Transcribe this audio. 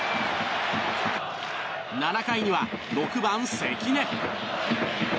７回には６番、関根。